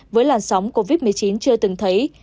với làn sóng covid một mươi chín chưa từng thấy